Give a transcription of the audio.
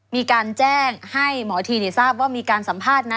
มีการแจ้งให้หมอทีทราบว่ามีการสัมภาษณ์นะ